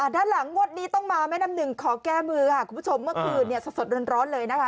ด้านหลังงวดนี้ต้องมาแม่น้ำหนึ่งขอแก้มือค่ะคุณผู้ชมเมื่อคืนเนี่ยสดร้อนเลยนะคะ